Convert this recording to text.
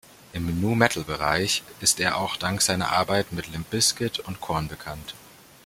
Im Nu-Metal-Bereich ist er auch dank seiner Arbeit mit Limp Bizkit und Korn bekannt.